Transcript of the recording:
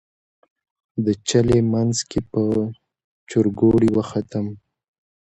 د چلې منځ کې په چورګوړي وختم.